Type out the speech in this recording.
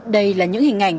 đây là những hình ảnh